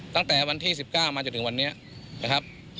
ตั้งแต่วันที่๑๙มาจนถึงวันนี้นะครับ